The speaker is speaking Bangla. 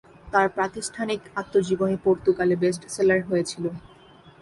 তার প্রাতিষ্ঠানিক আত্মজীবনী পর্তুগালে বেস্ট সেলার হয়েছিল।